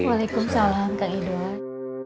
waalaikumsalam kak idoan